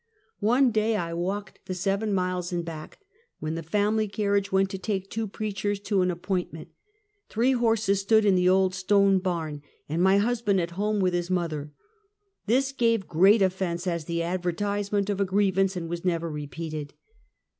One day I walked the seven miles and back, when the family carriage went to take two preachers to an ap pointment; three horses stood in the old stone barn, and my husband at home with his mother. This gave great offense as the advertisement of a grievance, and was never repeated.